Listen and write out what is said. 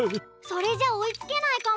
それじゃおいつけないかも。